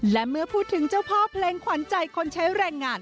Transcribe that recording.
และเมื่อพูดถึงเจ้าพ่อเพลงขวัญใจคนใช้แรงงาน